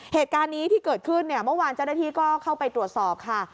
เหตุการณ์นี้ที่เกิดขึ้นเนี่ยเมื่อวานเจ้าหน้าที่ก็เข้าไปตรวจสอบค่ะ